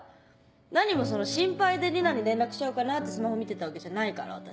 何もその心配で里奈に連絡しちゃおうかなってスマホ見てたわけじゃないから私。